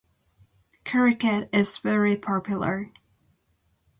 Cricket is very popular.